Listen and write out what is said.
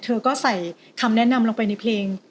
เธอก็ใส่คำแนะนำลงไปในเพลง